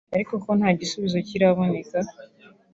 ariko ko nta gisubizo kiraboneka